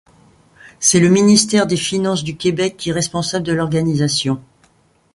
C'est le ministère des Finances du Québec qui est responsable de l'organisation.